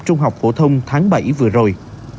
trung học phổ thông tháng bảy vừa rồi